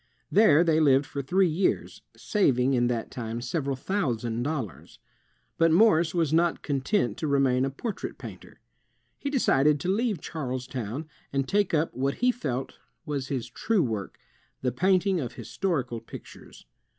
There they lived for three years, saving in that time several thousand dollars. But Morse was not content to remain a portrait painter. He decided to leave Charlestown, and take up what he felt was his true work, the painting of historical pictures.